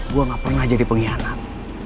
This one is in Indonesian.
gue gak pernah jadi pengkhianat